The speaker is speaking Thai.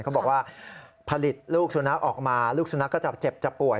เขาบอกว่าผลิตลูกสุนัขออกมาลูกสุนัขก็จะเจ็บจะป่วย